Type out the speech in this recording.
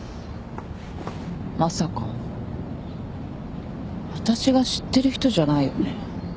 まさか私が知ってる人じゃないよね？